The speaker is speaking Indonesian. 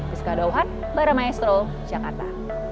rizka dauwan baramaestro jakarta